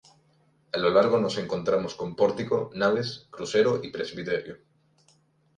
A lo largo nos encontramos con pórtico, naves, crucero y presbiterio.